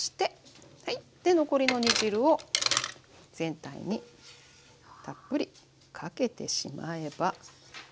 はいで残りの煮汁を全体にたっぷりかけてしまえば。